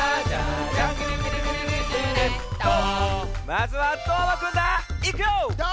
まずはどーもくんだ。